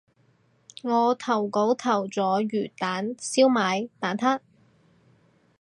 我投稿投咗魚蛋燒賣蛋撻